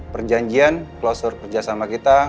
perjanjian klosur kerjasama kita